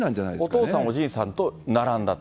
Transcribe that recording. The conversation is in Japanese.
お父さん、おじいさんと並んだと。